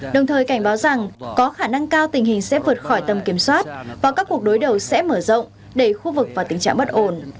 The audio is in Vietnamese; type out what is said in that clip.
đồng thời cảnh báo rằng có khả năng cao tình hình sẽ vượt khỏi tầm kiểm soát và các cuộc đối đầu sẽ mở rộng đẩy khu vực vào tình trạng bất ổn